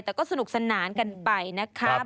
แต่ก็สนุกสนานกันไปนะครับ